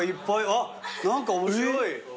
あっ何か面白い。